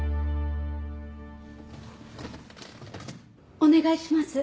お願いします。